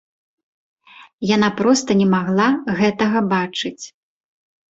Яна проста не магла гэтага бачыць!